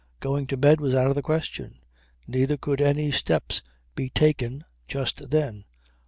Going to bed was out of the question neither could any steps be taken just then.